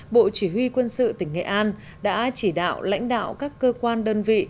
bộ chỉ huy quân sự tỉnh nghệ an đã chỉ đạo lãnh đạo các cơ quan đơn vị